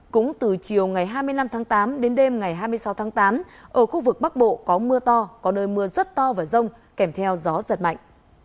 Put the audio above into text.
cũng từ chiều ngày hai mươi năm tháng tám đến đêm ngày hai mươi sáu tháng tám ở khu vực bắc bộ có mưa to có nơi mưa rất to và rông kèm theo gió giật mạnh